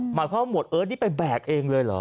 หมายความว่าหวดเอิร์ทนี่ไปแบกเองเลยเหรอ